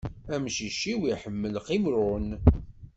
Amcic-iw iḥemmel qimṛun.